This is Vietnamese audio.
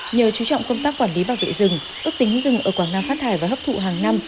nhờ chú trọng công tác quản lý bảo vệ rừng ước tính rừng ở quảng nam phát thải và hấp thụ hàng năm